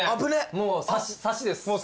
もうサシです。